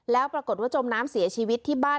แล้วปรากฏว่าจมน้ำเสียชีวิตที่บ้าน